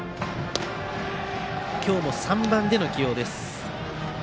今日も３番での起用です。